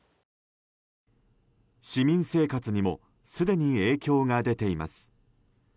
市民生活にもすでに影響が出ています。